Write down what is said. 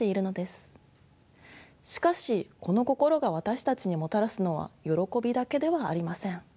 しかしこの「心」が私たちにもたらすのは「よろこび」だけではありません。